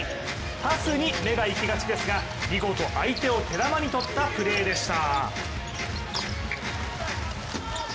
パスに目がいきがちですが見事相手を手玉に取ったプレーでした。